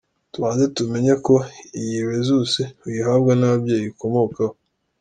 Tubanze tumenye ko iyi rhesus uyihabwa n’ababyeyi ukomokaho.